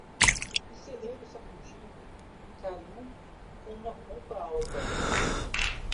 O celeiro sacudido caiu com uma pompa alta.